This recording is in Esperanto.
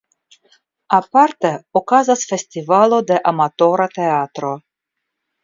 Aparte okazas festivalo de amatora teatro.